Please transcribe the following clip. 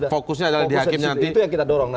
fokusnya adalah di hakim nanti itu yang kita dorong